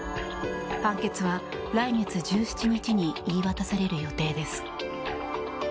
判決は来月１７日に言い渡される予定です。